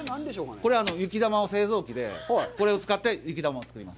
これは雪玉製造機で、これを使って雪玉を作ります。